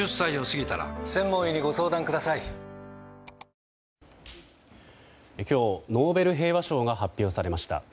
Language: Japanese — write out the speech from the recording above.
ニトリ今日、ノーベル平和賞が発表されました。